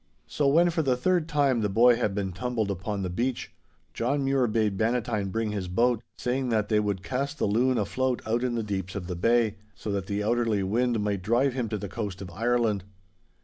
'So when for the third time the boy had been tumbled upon the beach, John Mure bade Bannatyne bring his boat, saying that they would cast the loon afloat out in the deeps of the bay, so that the outerly wind might drive him to the coast of Ireland.